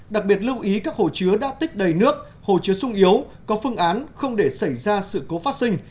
đặc biệt lưu ý các hồ chứa đã tích đầy nước hồ chứa sung yếu có phương án không để xảy ra sự cố phát sinh